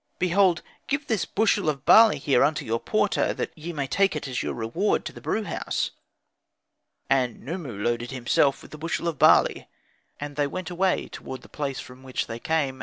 Behold, give this bushel of barley here unto your porter, that ye may take it as your reward to the brew house." And Khnumu loaded himself with the bushel of barley. And they went away toward the place from which they came.